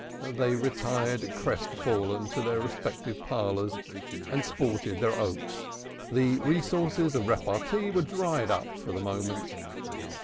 They retired crestfallen to their respective parlors, and sported their oaks. The resources of repartee were dried up for the moment.